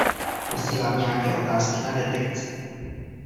Posílám nějaké otázky na detekci.